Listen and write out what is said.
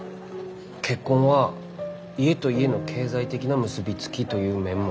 結婚は家と家の経済的な結び付きという面もある。